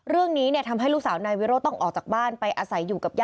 เรื่องนี้ทำให้ลูกสาวนายวิโรธต้องออกจากบ้านไปอาศัยอยู่กับย่า